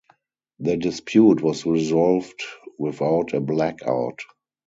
The dispute was resolved without a blackout.